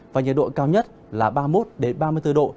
và nhiệt độ cao nhất là ba mươi một ba mươi bốn độ